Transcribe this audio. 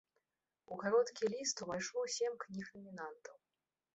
У кароткі ліст увайшло сем кніг-намінантаў.